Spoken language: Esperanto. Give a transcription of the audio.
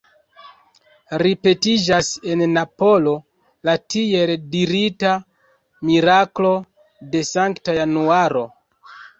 Ripetiĝas en Napolo la tiel dirita «miraklo de Sankta Januaro».